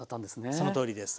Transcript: そのとおりです。